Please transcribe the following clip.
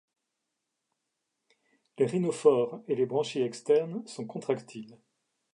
Les rhinophores et les branchies externes sont contractiles.